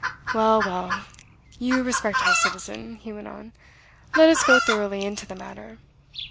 Well, well, you respectable citizen," he went on, "let us go thoroughly into the matter."